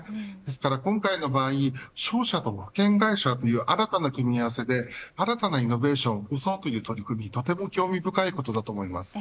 ですから、今回の場合商社と保険会社という新たな組み合わせで新たなイノベーションを起こそうという取り組み、とても興味深いことだと思います。